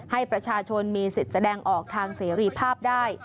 ให้ประชาชนมีสิทธิ์แสดงออกทางเสรีภาพได้